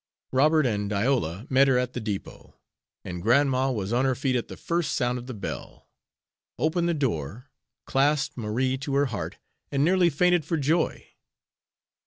Robert and Iola met her at the depot; and grandma was on her feet at the first sound of the bell, opened the door, clasped Marie to her heart, and nearly fainted for joy.